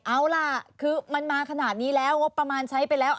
เอาล่ะคือมันมาขนาดนี้แล้วงบประมาณใช้ไปแล้ว